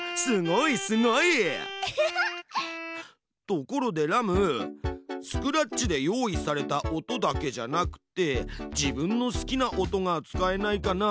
ところでラムスクラッチで用意された音だけじゃなくて自分の好きな音が使えないかな？